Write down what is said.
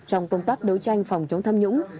trong công tác đấu tranh phòng chống tham nhũng